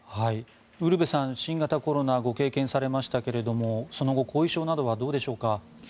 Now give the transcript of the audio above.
ウルヴェさん新型コロナ、ご経験されましたがその後、後遺症などはどうでしょうか。